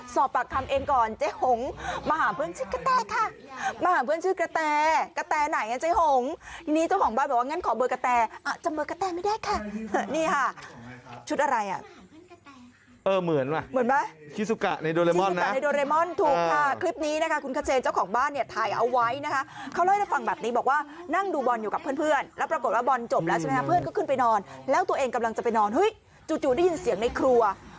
สอบปากทำเองก่อนเจ๊หงเมื่อหาเพื่อนชื่อกะแทะค่ะ